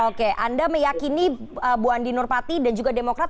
oke anda meyakini bu andi nurpati dan juga demokrat